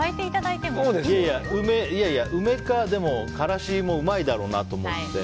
いやいや、梅かからしもうまいだろうなと思って。